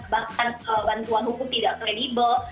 bahkan bantuan hukum tidak kredibel